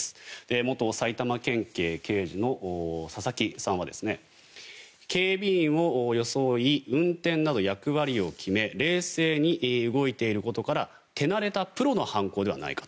元埼玉県警刑事の佐々木さんは警備員を装い運転など役割を決め冷静に動いていることから手慣れたプロの犯行ではないかと。